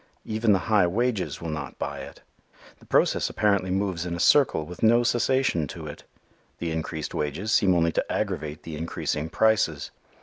Even the high wages will not buy it. The process apparently moves in a circle with no cessation to it. The increased wages seem only to aggravate the increasing prices.